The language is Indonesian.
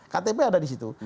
ktp ada di situ